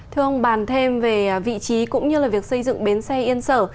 thưa ông bàn thêm về vị trí cũng như là việc xây dựng bến xe yên sở